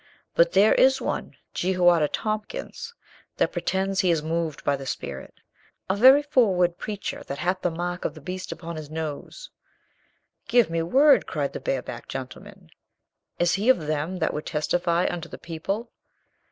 But there is one Jehoiada Tompkins that pretends he is moved by the spirit — a very froward preacher that hath the mark of the beast upon his nose," "Give me word!" cried the barebacked gentle man, "Is he of them that would testify unto the people?"